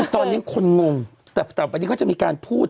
ตอนนี้คนงงแต่วันนี้เขาจะมีการพูด